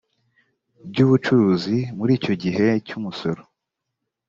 by ubucuruzi muri icyo gihe cy umusoro